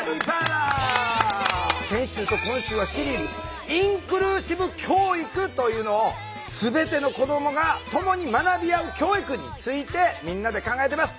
先週と今週はシリーズ「インクルーシブ教育」というのをすべての子どもがともに学び合う教育についてみんなで考えてます。